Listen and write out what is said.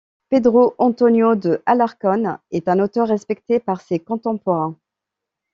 Pedro Antonio de Alarcón est un auteur respecté par ses contemporains.